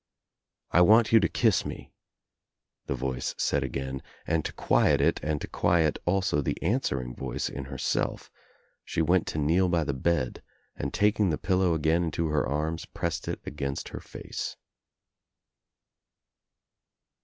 "I want you to kiss me," the voice said again and to quiet it and to quiet also the answering voice in her self she went to kneel by the bed and taking the pillow again into her arms pressed it against her face.